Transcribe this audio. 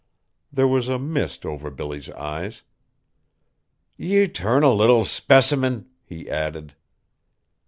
'" There was a mist over Billy's eyes. "Ye 'tarnal little specimint!" he added.